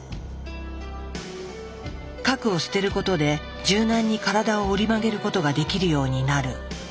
核を捨てることで柔軟に体を折り曲げることができるようになる。